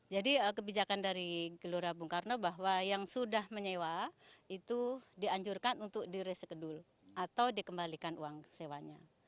jadi kebijakan dari gelora bung karno bahwa yang sudah menyewa itu dianjurkan untuk di risked dulu atau dikembalikan uang sewanya